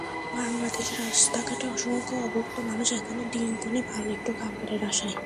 বাংলাদেশের রাস্তাঘাটে অসংখ্য অভুক্ত মানুষ এখনো দিন গোনে ভালো একটু খাবারের আশায়।